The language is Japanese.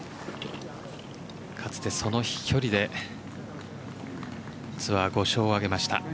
かつて、その飛距離でツアー５勝を挙げました。